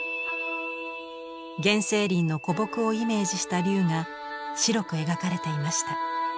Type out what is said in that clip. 原生林の古木をイメージした龍が白く描かれていました。